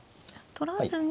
取らずに。